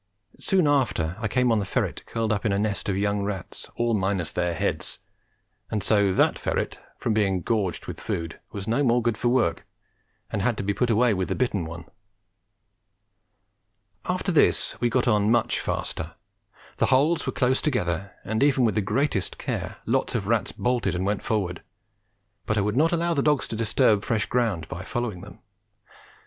Soon after I came on the ferret curled up in a nest of young rats, all minus their heads; and so that ferret, from being gorged with food, was no more good for work, and had to be put away with the bitten one. After this we got on much faster; the holes were close together, and even with the greatest care lots of rats bolted and went forward, but I would not allow the dogs to disturb fresh ground by following them.